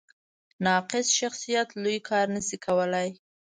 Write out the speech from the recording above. ناقص شخصیت لوی کار نه شي کولی.